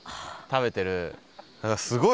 食べてる。